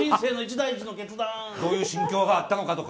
どういう心境があったのかとか。